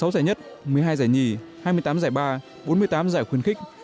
sáu giải nhất một mươi hai giải nhì hai mươi tám giải ba bốn mươi tám giải khuyến khích